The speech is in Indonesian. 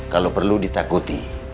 kalau perlu ditakuti